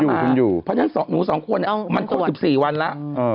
เพราะฉะนั้นหนูสองคนมันครบ๑๔วันแล้ว